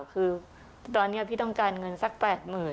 คือตอนนี้พี่ต้องการเงินสัก๘๐๐๐